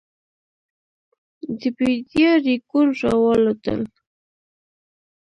د بېدیا رېګون راوالوتل.